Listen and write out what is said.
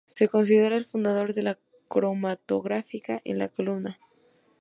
Se considera el fundador de la cromatografía en columna.